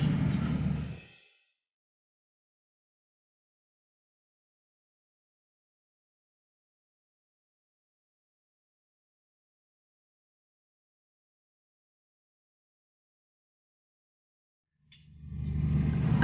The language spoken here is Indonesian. aku akan mencari perempuan yang lebih baik lagi